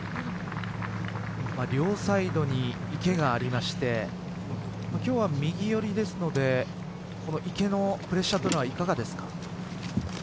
両サイドに池がありまして今日は右寄りですので池のプレッシャーというのはいかがですか。